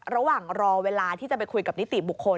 ระหว่างรอเวลาที่จะไปคุยกับนิติบุคคล